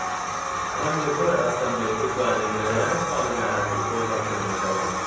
ڕەنگە زۆر ئەستەم بێت بتوانێت لە دەیان ساڵی داهاتوو خۆی هەڵسێنێتەوە